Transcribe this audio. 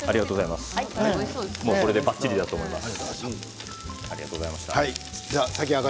これでばっちりだと思います。